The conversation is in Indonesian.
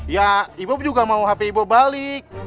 ya ibok juga mau hp ibok balik